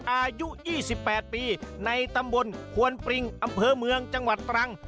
อายุ๒๘ปีในตำบลควนปริงอำเภอเมืองจังหวัดตรัง